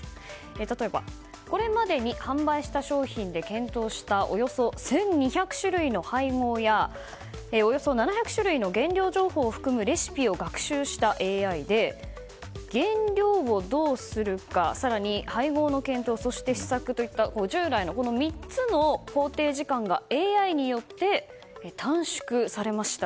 例えばこれまでに販売した商品で検討したおよそ１２００種類の配合やおよそ７００種類の原料情報を含むレシピを学習したＡＩで原料をどうするか更に配合の検討そして試作といった従来の３つの工程時間がＡＩによって短縮されました。